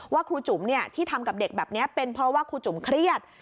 ครูจุ๋มที่ทำกับเด็กแบบนี้เป็นเพราะว่าครูจุ๋มเครียด